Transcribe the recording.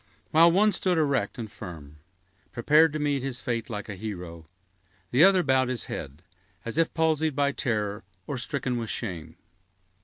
While one stood erect and firm, prepared to meet his fate like a hero, the other bowed his head, as if palsied by terror or stricken with shame.